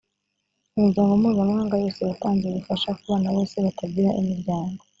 imiryango mpuzamahanga yose yatanze ubufasha ku bana bose batagira imiryango